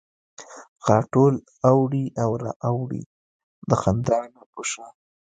غاټول اوړي او را اوړي د خندا نه په شا